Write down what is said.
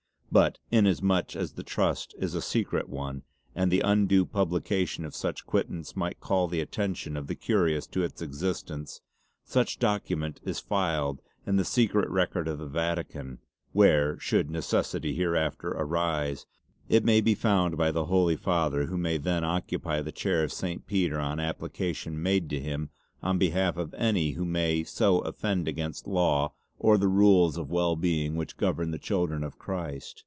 But inasmuch as the Trust is a secret one and the undue publication of such Quittance might call the attention of the curious to its existence, such Document is filed in the secret record of the Vatican, where, should necessity hereafter arise, it may be found by the Holy Father who may then occupy the Chair of St. Peter on application made to him on behalf of any who may so offend against law or the rules of well being which govern the children of Christ.